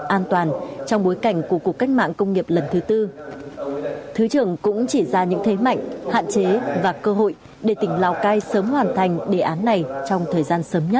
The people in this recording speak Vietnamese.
an toàn trong bối cảnh của cuộc cách mạng công nghiệp lần thứ tư thứ trưởng cũng chỉ ra những thế mạnh hạn chế và cơ hội để tỉnh lào cai sớm hoàn thành đề án này trong thời gian sớm nhất